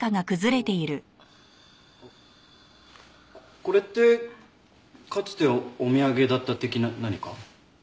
これってかつてお土産だった的な何か？